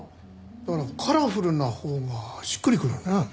だから「カラフル」なほうがしっくりくるよね。